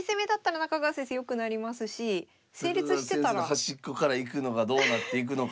中川先生が端っこから行くのがどうなっていくのか。